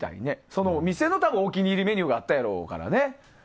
そのお店の、多分、お気に入りのメニューがあったやろうからね。